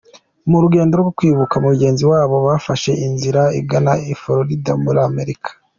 Mu rugendo rwo kwibuka mugenzi wabo, bafashe inzira igana i Florida -muri Amerika-.